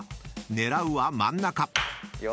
［狙うは真ん中］